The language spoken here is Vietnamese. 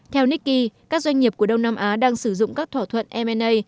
theo nikki các doanh nghiệp của đông nam á đang sử dụng các thỏa thuận m a